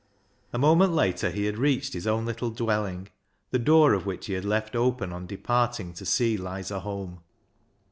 A moment later he had reached his own little dwelling, the door of which he had left open on departing to see Lizer home.